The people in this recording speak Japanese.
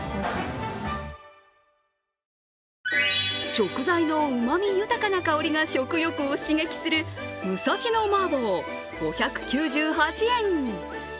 食材のうまみ豊かな香りが食欲を刺激する武蔵野麻婆、５９８円。